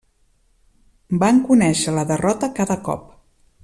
Van conèixer la derrota cada cop.